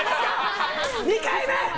２回目！